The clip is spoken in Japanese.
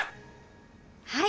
はい。